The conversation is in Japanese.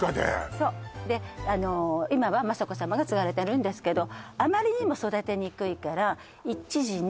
そうで今は雅子さまが継がれてるんですけどあまりにも育てにくいから一時ね